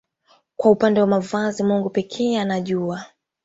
Kwa upande wa mavazi Mungu pekee anajua